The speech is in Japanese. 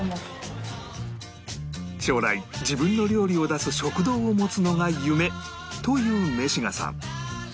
将来自分の料理を出す食堂を持つのが夢というめしがさん